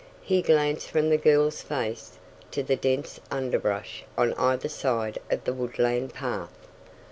He glanced from the girl's face to the dense underbrush on either side of the woodland path.